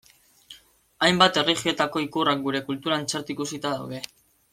Hainbat erlijiotako ikurrak gure kulturan txarto ikusita daude.